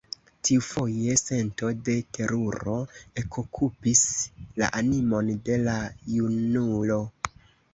Tiufoje sento de teruro ekokupis la animon de la junulo.